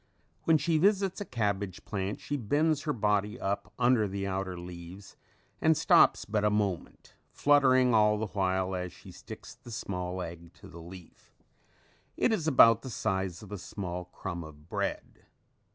When she visits a cabbage plant she bends her body up under the outer leaves and stops but a moment, fluttering all the while as she sticks the small egg to the leaf. It is about the size of a small crumb of bread.